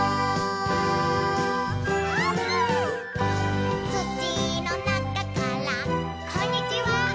「あーぷん」「土の中からこんにちは」